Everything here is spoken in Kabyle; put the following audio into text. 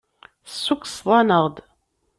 Tessukkseḍ-aneɣ-d.